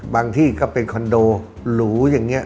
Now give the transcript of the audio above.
ที่ก็เป็นคอนโดหรูอย่างนี้